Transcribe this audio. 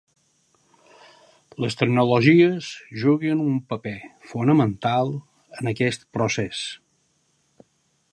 Les tecnologies juguen un paper fonamental en aquest procés.